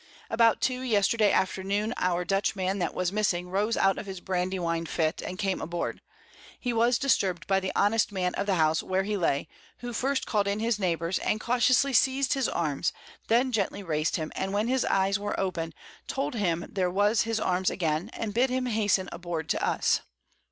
About 2 yesterday Afternoon our Dutch man that was missing rose out of his Brandy wine Fit, and came aboard; he was disturb'd by the honest Man of the House where he lay, who first called in his Neighbours, and cautiously seized his Arms, then gently rais'd him, and when his Eyes were open, told him there was his Arms again, and bid him hasten aboard to us.